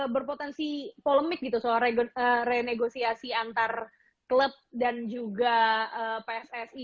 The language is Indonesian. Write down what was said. berpotensi polemik gitu soal renegosiasi antar klub dan juga pssi